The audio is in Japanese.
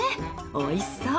おいしそう。